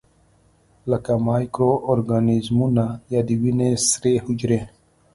لکه مایکرو ارګانیزمونه یا د وینې سرې حجرې.